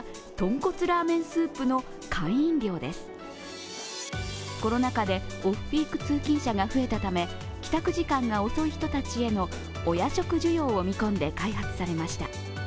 コロナ禍でオフピーク通勤者が増えたため帰宅時間が遅い人たちへのお夜食需要を見込んで開発されました。